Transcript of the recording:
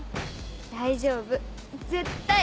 大丈夫絶対！